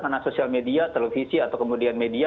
karena sosial media televisi atau kemudian media